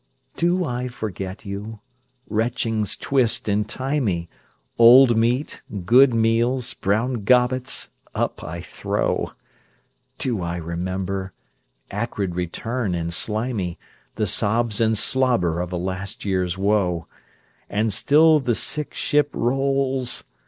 Do I forget you? Retchings twist and tie me, Old meat, good meals, brown gobbets, up I throw. Do I remember? Acrid return and slimy, The sobs and slobber of a last years woe. And still the sick ship rolls.